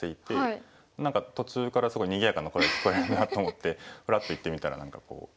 何か途中からすごいにぎやかな声が聞こえるなと思ってふらっと行ってみたら何かこう。